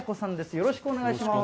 よろしくお願いします。